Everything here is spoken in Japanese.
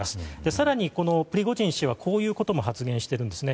更に、プリゴジン氏はこういうことも発言しているんですね。